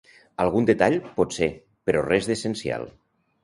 Algun detall, potser, però res d'essencial.